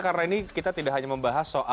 karena ini kita tidak hanya membahas